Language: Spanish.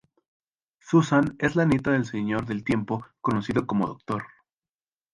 Susan es la nieta del Señor del Tiempo conocido como el Doctor.